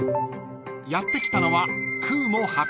［やって来たのは］